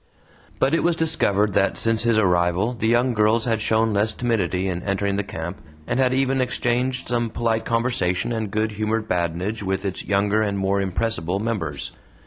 But it was discovered that since his arrival the young girls had shown less timidity in entering the camp, and had even exchanged some polite conversation and good humoured badinage with its younger and more impressible members.